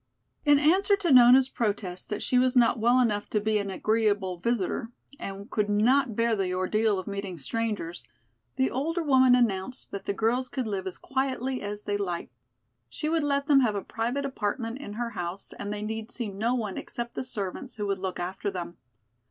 In answer to Nona's protest that she was not well enough to be an agreeable visitor and could not bear the ordeal of meeting strangers, the older woman announced that the girls could live as quietly as they liked. She would let them have a private apartment in her house and they need see no one except the servants who would look after them.